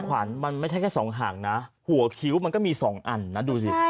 ขวัญมันไม่ใช่แค่สองหางนะหัวคิ้วมันก็มี๒อันนะดูสิ